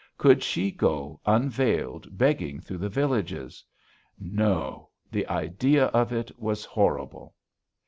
Could she go unveiled begging through the villages? No. The idea of it was horrible.